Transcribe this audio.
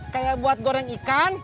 kayak buat goreng ikan